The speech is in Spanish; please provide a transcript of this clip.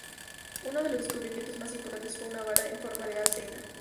Uno de los descubrimientos más importantes fue una vara en forma de alce hembra.